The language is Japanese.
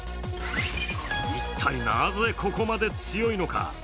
一体なぜ、ここまで強いのか。